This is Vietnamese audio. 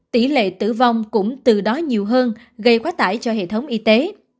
tỷ lệ tử vong cũng từ đó nhiều hơn gây quá tải cho hệ thống y tế